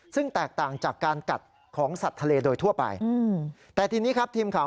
ซึ่งแตกต่างจากการกัดของสัตว์ทะเลโดยทั่วไป